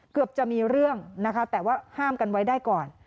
เกือบจะมีเรื่องนะคะแต่ว่าห้ามกันไว้ได้ก่อน